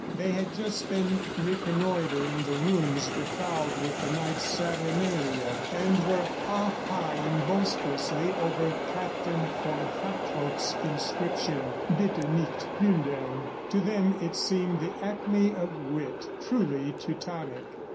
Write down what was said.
They had just been reconnoitering the rooms befouled with the night's saturnalia, and were ha haing boisterously over Captain von Hartrott's inscription, "Bitte, nicht plundern." To them it seemed the acme of wit truly Teutonic.